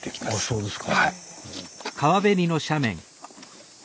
そうです。